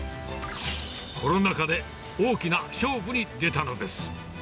コロナ禍で大きな勝負に出たのです。